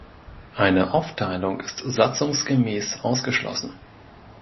Eine Aufteilung ist satzungsgemäß ausgeschlossen.